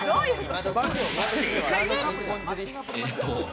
正解は。